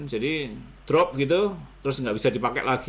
jadi drop gitu terus nggak bisa dipakai lagi